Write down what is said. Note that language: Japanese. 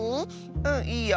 うんいいよ！